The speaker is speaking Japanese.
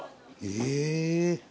え。